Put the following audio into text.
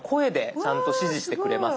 ちゃんと教えてくれます。